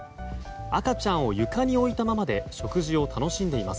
赤ちゃんを床に置いたままで食事を楽しんでいます。